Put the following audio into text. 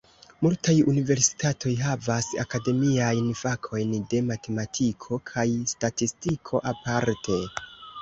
Multaj universitatoj havas akademiajn fakojn de matematiko kaj statistiko aparte.